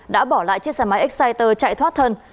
đã bỏ lại chiếc xe máy exciter chạy thoát thân